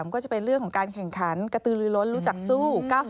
ก็จะเป็นเรื่องของการแข่งขันกระตือลือล้นรู้จักสู้